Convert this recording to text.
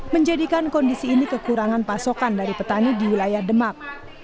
menjadikan kondisi ini kekurangan pasokan dari petani di wilayah demak